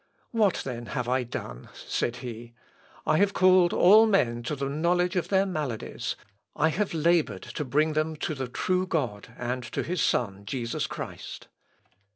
"What then have I done?" said he, "I have called all men to the knowledge of their maladies, I have laboured to bring them to the true God and to his Son Jesus Christ.